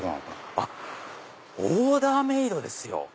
あっオーダーメイドですよ。